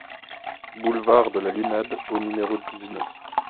Boulevard de la Lunade au numéro dix-neuf